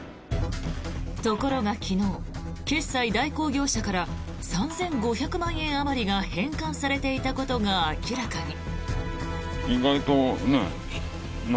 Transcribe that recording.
ところが昨日、決済代行業者から３５００万円あまりが返還されていたことが明らかに。